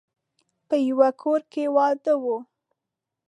په يوه کور کې واده و.